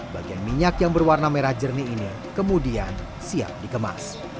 bagian minyak yang berwarna merah jernih ini kemudian siap dikemas